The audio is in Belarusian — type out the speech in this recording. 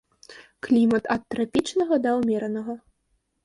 Клімат ад трапічнага да ўмеранага.